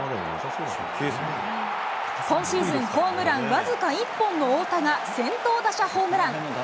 今シーズン、ホームラン僅か１本の太田が先頭打者ホームラン。